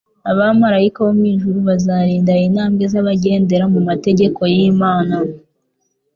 Abamarayika bo mw'ijuru bazarinda intambwe z'abagendera mu mategeko y'Imana.